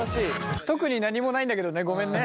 特に何もないんだけどねごめんね。